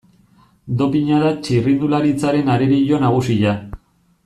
Dopina da txirrindularitzaren arerio nagusia.